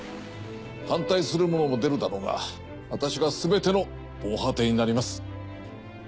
反対する者も出るだろうが私がすべての防波堤になります。